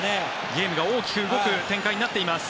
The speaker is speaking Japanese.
ゲームが大きく動く展開になっています。